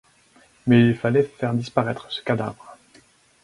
Mais il fallait faire disparaître ce cadavre.